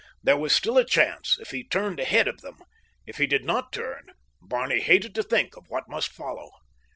There was still a chance if he turned ahead of them. If he did not turn—Barney hated to think of what must follow.